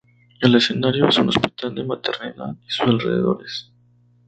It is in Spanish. El escenario es un hospital de maternidad y sus alrededores.